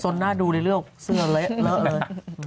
หน้าดูในเรื่องเสื้อเละเลย